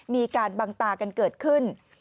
มีการบังตากันเกิดขึ้น